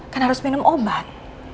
kan harus minum obat